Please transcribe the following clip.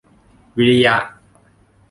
วิริยะ